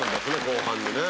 後半にね。